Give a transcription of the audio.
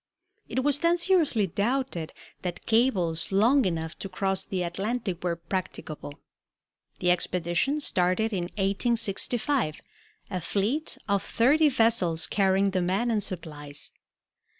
It was then seriously doubted that cables long enough to cross the Atlantic were practicable. The expedition started in 1865, a fleet of thirty vessels carrying the men and supplies.